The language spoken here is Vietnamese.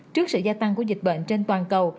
trước sự gia tăng của dịch bệnh trên toàn cầu